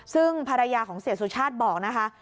ซึ่งภรรยาของเสียสุชาติบอกนะคะ